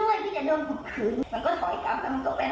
ก็บอกพี่พี่เขาว่าคุณครูเขาก็ไม่จับว่าอย่างวันนั้นด้วย